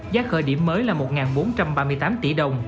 giá khởi điểm mới là một bốn trăm ba mươi tám tỷ đồng